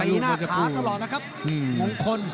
หน้าขาตลอดนะครับมงคล